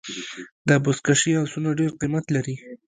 د بزکشۍ آسونه ډېر قیمت لري.